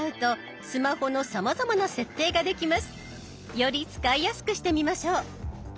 より使いやすくしてみましょう。